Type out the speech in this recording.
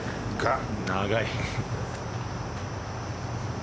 長い。